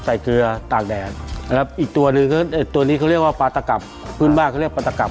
เกลือตากแดดนะครับอีกตัวหนึ่งก็ตัวนี้เขาเรียกว่าปลาตะกลับพื้นบ้านเขาเรียกปลาตะกลับ